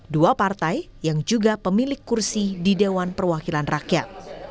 dua partai yang juga pemilik kursi di dewan perwakilan rakyat